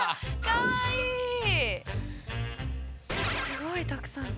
すごいたくさん。